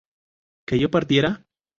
¿que yo partiera?